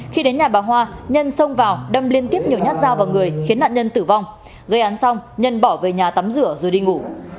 khi đến nhà bà hoa nhân xông vào đâm liên tiếp nhiều nhát dao vào người khiến nạn nhân tử vong gây án xong nhân bỏ về nhà tắm rửa rồi đi ngủ